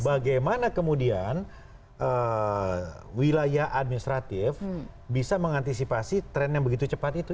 bagaimana kemudian wilayah administratif bisa mengantisipasi tren yang begitu cepat itu